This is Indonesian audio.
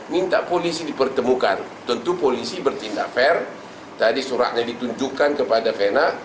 minta polisi dipertemukan tentu polisi bertindak fair tadi suratnya ditunjukkan kepada vena